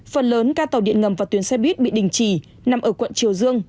phần lớn ca tàu điện ngầm và tuyến xe buýt bị đình chỉ nằm ở quận triều dương